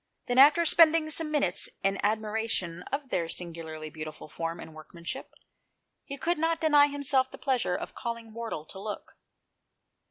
Then after spending some minutes in admiration of their singularly beautiful form and workmanship, he could not deny himself the pleasure of calling Wardle to look.